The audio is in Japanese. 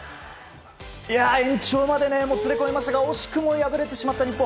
延長までもつれ込みましたが惜しくも敗れてしまった日本。